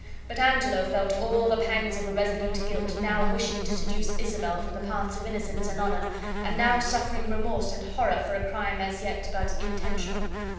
But Angelo felt all the pangs of irresolute guilt, now wishing to seduce Isabel from the paths of innocence and honor, and now suffering remorse and horror for a crime as yet but intentional.